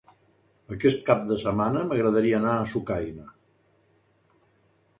Aquest cap de setmana m'agradaria anar a Sucaina.